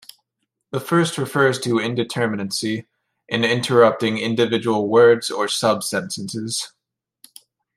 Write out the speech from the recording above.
The first refers to indeterminacy in interpreting individual words or sub-sentences.